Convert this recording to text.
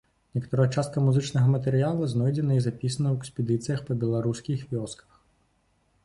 Некаторая частка музычнага матэрыялу знойдзена і запісана ў экспедыцыях па беларускіх вёсках.